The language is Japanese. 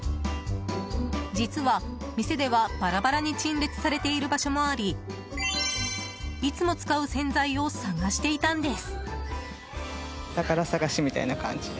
実は、店ではバラバラに陳列されている場所もありいつも使う洗剤を探していたんです。